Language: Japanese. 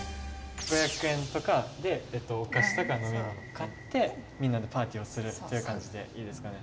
５００円とかでお菓子とか飲み物買ってみんなでパーティーをするっていう感じでいいですかね？